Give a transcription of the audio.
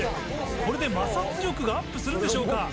これで摩擦力がアップするんでしょうか？